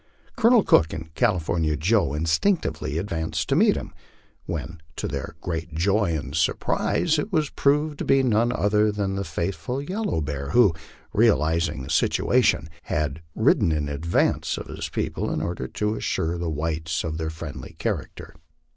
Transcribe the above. Colonel Cook and California Joe instinctively advanced to meet him, when to their great joy and surprise it proved to be none other than the faithful Yellow Bear, who, realizing the situation, had ridden in advance of his people in order to assure the whites of their friendly character.